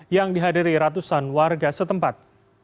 yang dihadiri ratusan warga setempat